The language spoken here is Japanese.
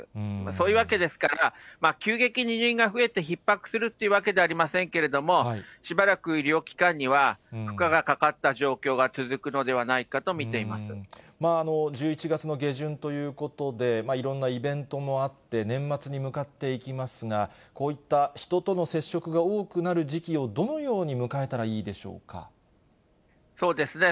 そういうわけですから、急激に入院が増えて、ひっ迫するというわけではありませんけれども、しばらく医療機関には負荷がかかった状況が続くのではないかと見１１月の下旬ということで、いろんなイベントもあって、年末に向かっていきますが、こういった人との接触が多くなる時期をどのように迎えたらいいでそうですね。